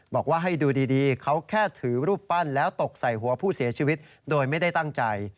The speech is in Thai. บอกว่าให้ดูดีเขาแค่ถือรูปปั้นแล้วตกใส่หัวผู้เสียชีวิตโดยไม่ได้ตั้งใจ